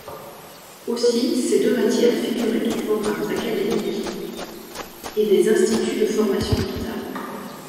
Aussi ces deux matières figuraient aux programmes académiques et des instituts de formation comptable.